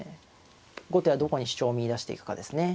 後手はどこに主張を見いだしていくかですね。